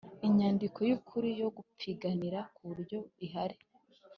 Inyandiko y ‘ukuri yo gupiganira kugura irahari.